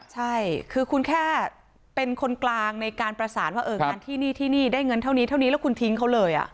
ใช่คือคุณแค่เป็นคนกลางในการประสานว่างานที่นี่ที่นี่ได้เงินเท่านี้เท่านี้แล้วคุณทิ้งเขาเลย